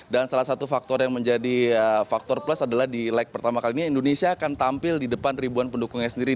dan salah satu faktor yang menjadi faktor plus adalah di lag pertama kali ini indonesia akan tampil di depan ribuan pendukungnya sendiri